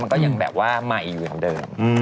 มันก็ยังไม่อยู่อย่างเดิม